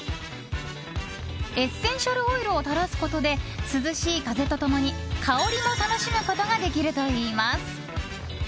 エッセンシャルオイルを垂らすことで涼しい風と共に、香りも楽しむことができるといいます。